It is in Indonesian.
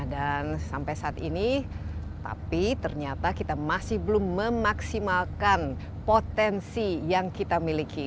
dan sampai saat ini tapi ternyata kita masih belum memaksimalkan potensi yang kita miliki